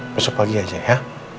besok pagi aja ya